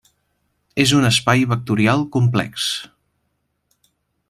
És un espai vectorial complex.